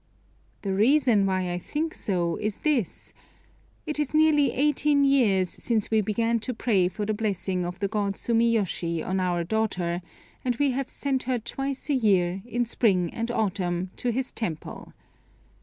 The reason why I think so is this it is nearly eighteen years since we began to pray for the blessing of the God Sumiyoshi on our daughter, and we have sent her twice a year, in spring and autumn, to his temple.